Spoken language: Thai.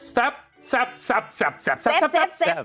ซับซับซับซับซับซับซับซับ